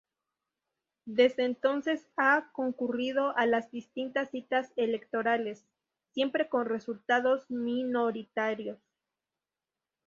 Desde entonces ha concurrido a las distintas citas electorales, siempre con resultados minoritarios.